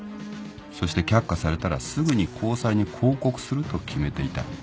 そして却下されたらすぐに高裁に抗告すると決めていた。